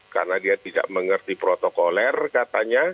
karena dia tidak mengerti protokoler katanya